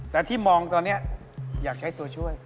แต่ที่มองตอนนี้อยากใช้ตัวช่วย